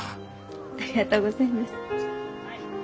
ありがとうございます。